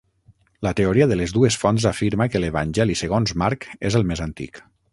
La teoria de les dues fonts afirma que l'Evangeli segons Marc és el més antic.